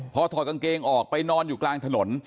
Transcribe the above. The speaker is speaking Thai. พอถอดกางเกงออกไปนอนอยู่กลางถนน